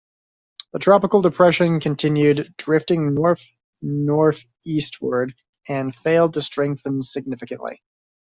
The tropical depression continued drifting north-northeastward, and failed to strengthen significantly.